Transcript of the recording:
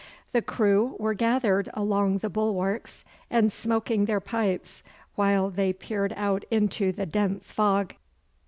The crew were gathered along the bulwarks and smoking their pipes while they peered out into the dense fog.